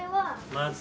まず？